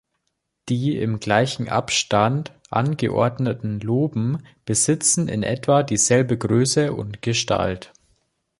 Die im gleichen Abstand angeordneten Loben besitzen in etwa dieselbe Größe und Gestalt.